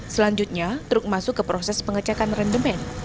selanjutnya truk masuk ke proses pengecekan rendemen